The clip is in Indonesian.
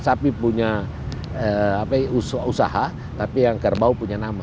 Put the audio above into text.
sapi punya usaha tapi yang kerbau punya nama